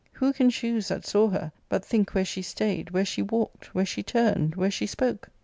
Who can choose that saw her but think where she stayed, where she walked, where she turned, where she spoke